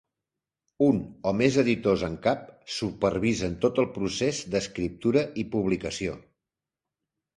Un o més editors en cap supervisen tot el procés d'escriptura i publicació.